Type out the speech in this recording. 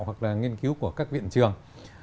hoặc là nghiên cứu của các viện trường